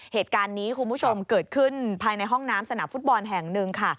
เหตุการณ์นี้คุณผู้ชมเกิดขึ้นภายในห้องน้ำสนามฟุตบอลแห่งหนึ่งค่ะ